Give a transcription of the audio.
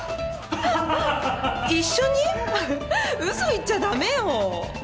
嘘言っちゃダメよ！